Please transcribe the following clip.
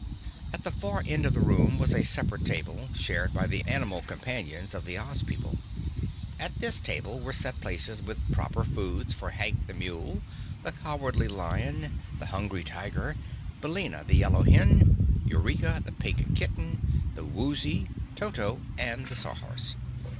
At the far end of the room was a separate table, shared by the animal companions of the Oz people. At this table were set places with the proper foods for Hank the Mule, the Cowardly Lion, the Hungry Tiger, Billina the Yellow Hen, Eureka the Pink Kitten, the Woozy, Toto and the Sawhorse.